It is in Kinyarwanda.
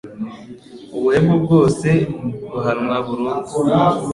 ubuhemu bwose buhanwa burundu